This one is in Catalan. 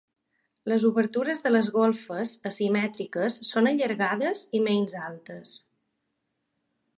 Les obertures de les golfes, asimètriques, són allargades i menys altes.